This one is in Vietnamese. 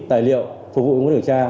tài liệu phục vụ nguồn điều tra